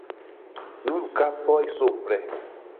Nur kapoj supre.